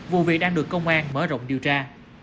vụ việc đang được công an mở rộng điều tra